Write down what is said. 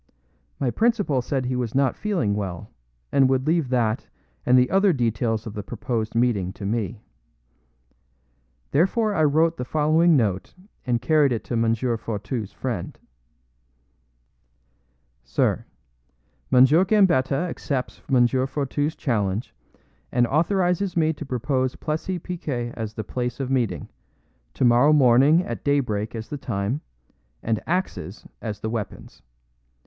My principal said he was not feeling well, and would leave that and the other details of the proposed meeting to me. Therefore I wrote the following note and carried it to M. Fourtou's friend: Sir: M. Gambetta accepts M. Fourtou's challenge, and authorizes me to propose Plessis Piquet as the place of meeting; tomorrow morning at daybreak as the time; and axes as the weapons.